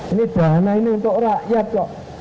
ini dana ini untuk rakyat kok